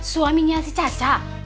suaminya si caca